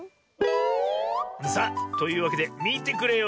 さあというわけでみてくれよ。